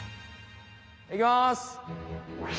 いきます！